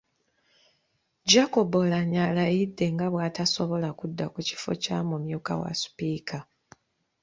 Jacob Oulanyah alayidde nga bw’atasobola kudda ku kifo kya mumyuka wa Sipiika.